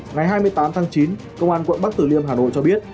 ngày hai mươi tám tháng chín công an quận bắc tử liêm hà nội cho biết